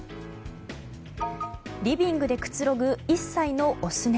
リビングでくつろぐ１歳のオス猫。